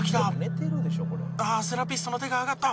ああっセラピストの手が挙がった！